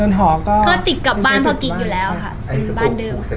เดินหอก็ติดกับบ้านพ่อกิ๊กอยู่แล้วค่ะ